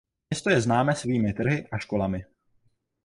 Město je známé svými trhy a školami.